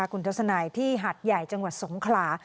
คุณทัศนายที่หัดใหญ่จังหวัดสงขลา